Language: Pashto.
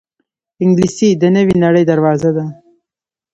انګلیسي د نوې نړۍ دروازه ده